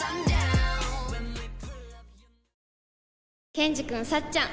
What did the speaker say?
ケンジくんさっちゃん